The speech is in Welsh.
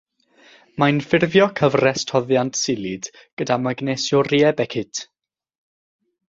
Mae'n ffurfio cyfres toddiant silid gyda magnesioriebecid.